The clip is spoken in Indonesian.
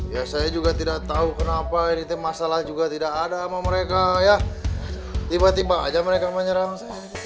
ya saya juga tidak tahu kenapa ini masalah juga tidak ada sama mereka ya tiba tiba aja mereka menyerang